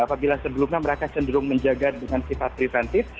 apabila sebelumnya mereka cenderung menjaga dengan sifat preventif